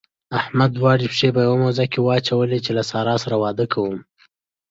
احمد دواړه پښې په يوه موزه کې واچولې چې له سارا سره واده کوم.